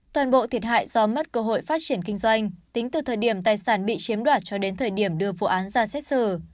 toàn bộ thiệt hại do mất cơ hội phát triển kinh doanh tính từ thời điểm tài sản bị chiếm đoạt cho đến thời điểm đưa vụ án ra xét xử